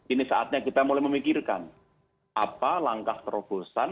ini saatnya kita mulai memikirkan apa langkah terobosan